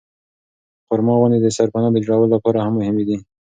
خورما ونې د سرپناه جوړولو لپاره هم مهمې دي.